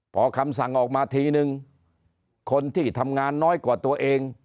พอคำสั่งออกมาทีนึงคนที่ทำงานน้อยกว่าตัวเอง